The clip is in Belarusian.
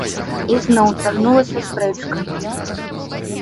І зноў цягнулася спрэчка.